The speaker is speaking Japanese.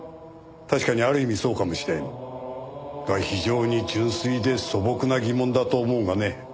確かにある意味そうかもしれん。が非常に純粋で素朴な疑問だと思うがね。